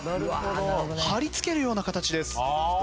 貼りつけるような形です。